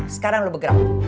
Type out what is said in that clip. sekarang lo bergerak